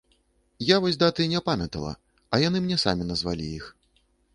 Я вось даты не памятала, а яны мне самі назвалі іх.